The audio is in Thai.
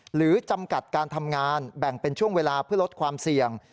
หรือจำกัดการทำงานแบ่งเป็นช่วงเวลาเพื่อลดความเสี่ยง